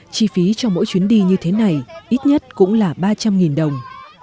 chi phí cho mỗi chuyến đi như thế này ít nhất cũng là ba trăm linh đồng